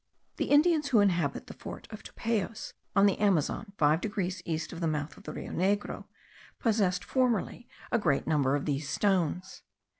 The Indians who inhabit the fort of Topayos on the Amazon five degrees east of the mouth of the Rio Negro, possessed formerly a great number of these stones.